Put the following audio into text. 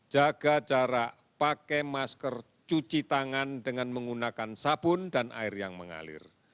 jaga jarak pakai masker cuci tangan dengan menggunakan sabun dan air yang mengalir